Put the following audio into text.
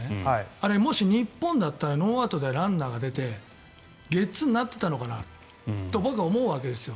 あれ、もし日本だったらノーアウトでランナーが出てゲッツーになってたのかなと僕は思うわけですよ。